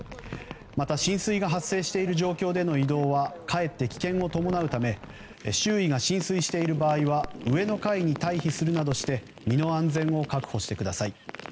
また、浸水が発生している状況での移動はかえって危険を伴うため周囲が浸水している場合は上の階に退避するなどして身の安全を確保してください。